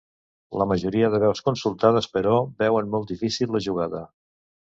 la majoria de veus consultades, però, veuen molt difícil la jugada